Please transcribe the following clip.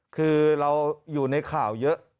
คือเราอยู่ในข่าวเยอะ